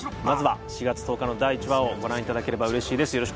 まずは４月１０日の第１話をご覧いただければ嬉しいです